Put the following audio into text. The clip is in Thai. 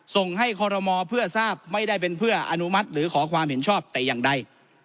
ส่งให้คอรมอเพื่อทราบไม่ได้เป็นเพื่ออนุมัติหรือขอความเห็นชอบแต่อย่างใด